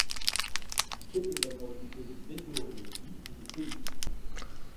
Il s'est également occupé de météorologie et de politique.